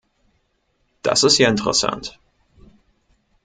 Das ist ja interessant.